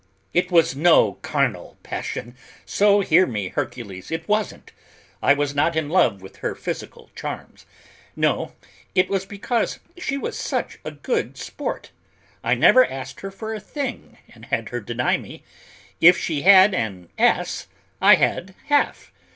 It was no carnal passion, so hear me, Hercules, it wasn't; I was not in love with her physical charms. No, it was because she was such a good sport. I never asked her for a thing and had her deny me; if she had an as, I had half.